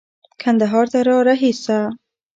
کندهار ته را رهي شه.